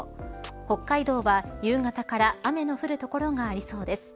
北海道は夕方から雨の降る所がありそうです。